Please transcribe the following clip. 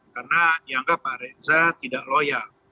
karena dianggap pak reza tidak loyal